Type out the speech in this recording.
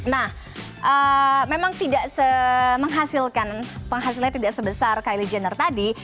nah memang tidak menghasilkan penghasilannya tidak sebesar kylie jenner tadi